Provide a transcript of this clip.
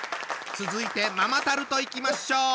続いてママタルトいきましょう。